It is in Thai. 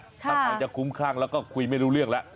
ถ้าใครจะคุ้มคลั่งแล้วก็คุยไม่รู้เรื่องแล้ว